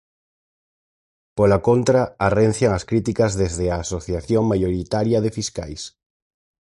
Pola contra, arrencian as críticas desde a asociación maioritaria de fiscais.